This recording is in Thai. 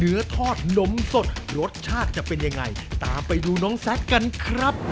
ทอดนมสดรสชาติจะเป็นยังไงตามไปดูน้องแซคกันครับ